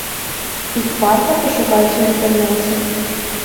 Іх варта пашукаць у інтэрнэце.